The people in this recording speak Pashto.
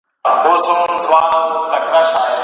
نور هغه د پرون خر نه وو بل شی وو